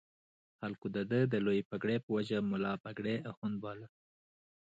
خلکو د ده د لویې پګړۍ په وجه ملا پګړۍ اخُند باله.